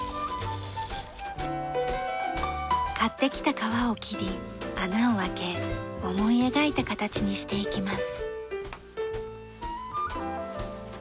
買ってきた革を切り穴を開け思い描いた形にしていきます。